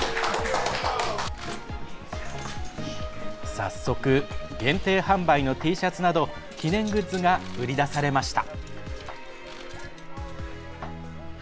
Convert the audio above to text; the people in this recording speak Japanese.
早速限定販売のＴシャツなど記念グッズが売り出されました。